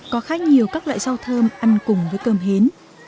có khá nhiều các loại rau thơm ăn cùng với cơm hến